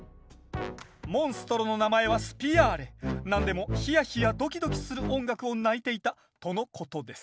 モンストロの名前はなんでもヒヤヒヤドキドキする音楽を鳴いていたとのことです